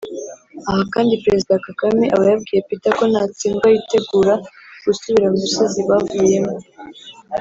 Aha kandi Perezida Kagame aba yabwiye Peter ko natsindwa yitegura gusubira mu misozi bavuyemo